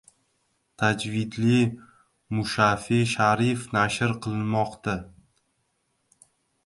Tajvidli Mushafi sharif nashr qilinmoqda